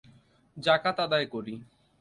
যাকাত আদায় করি।